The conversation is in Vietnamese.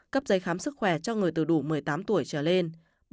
cấp giấy khám sức khỏe cho người từ đủ một mươi tám tuổi trở lên